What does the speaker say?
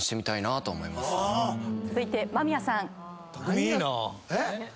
続いて間宮さん。